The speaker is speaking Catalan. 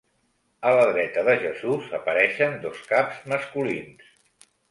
A la dreta de Jesús apareixen dos caps masculins.